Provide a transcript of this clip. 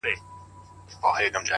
هوښیاري د سم انتخاب نوم دی